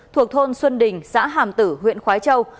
thuộc thôn xuân đình xã hàm tử huyện khói châu